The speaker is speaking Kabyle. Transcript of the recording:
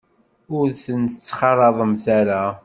Ur ten-ttxalaḍemt ara.